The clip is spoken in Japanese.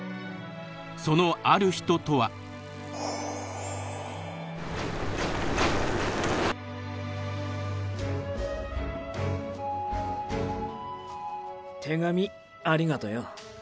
その“ある人”とはーー手紙ありがとよ。